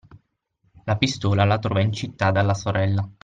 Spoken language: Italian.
La pistola la trova in città dalla sorella